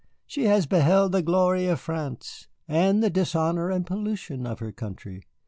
"She has beheld the glory of France, and the dishonor and pollution of her country.